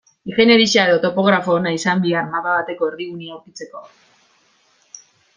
Ingeniaria edo topografo ona izan behar mapa bateko erdigunea aurkitzeko.